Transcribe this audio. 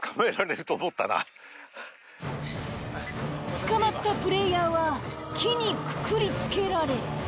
捕まったプレイヤーは木にくくりつけられ。